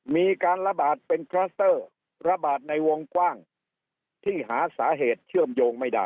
มีการระบาดเป็นคลัสเตอร์ระบาดในวงกว้างที่หาสาเหตุเชื่อมโยงไม่ได้